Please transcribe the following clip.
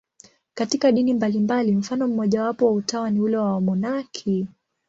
Katika dini mbalimbali, mfano mmojawapo wa utawa ni ule wa wamonaki.